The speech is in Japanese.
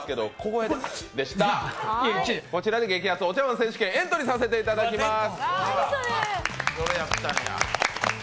こちらで激アツお茶碗選手権、エントリーさせていただきます。